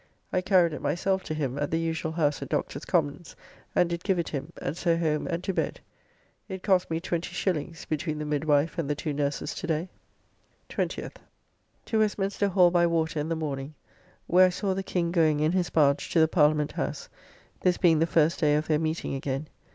I carried it myself to him at the usual house at Doctors Commons and did give it him, and so home and to bed. It cost me 20s, between the midwife and the two nurses to day. 20th. To Westminster Hall by water in the morning, where I saw the King going in his barge to the Parliament House; this being the first day of their meeting again.